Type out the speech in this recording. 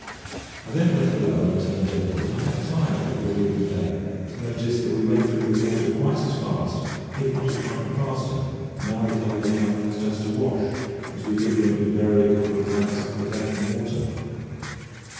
I then went below and turned in; but I had time, before leaving the deck, to notice that we went through the water quite as fast (if not a trifle faster), now that our lee gunwale was just awash, as we did when it was buried a couple of planks up the deck in water.